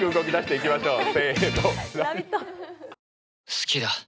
「好きだ」